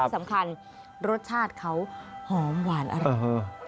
สำคัญรสชาติเขาหอมหวานอร่อย